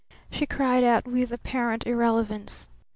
she cried out with apparent irrelevance.